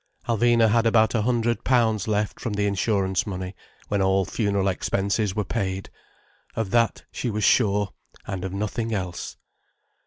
Alvina had about a hundred pounds left from the insurance money, when all funeral expenses were paid. Of that she was sure, and of nothing else.